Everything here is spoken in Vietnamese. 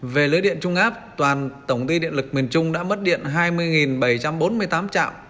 về lưới điện trung áp toàn tổng ty điện lực miền trung đã mất điện hai mươi bảy trăm bốn mươi tám chạm